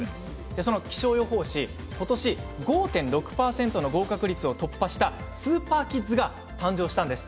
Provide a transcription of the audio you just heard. その気象予報士、ことし５．６％の合格率を突破したスーパーキッズが誕生しました。